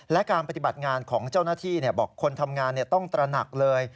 และการปฏิบัติงานของเจ้าหน้าที่บอกคนทำงานต้องตระหนักเลย